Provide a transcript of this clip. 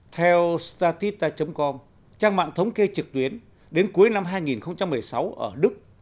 theo statista com trang mạng thống kê trực tuyến đến cuối năm hai nghìn một mươi sáu ở đức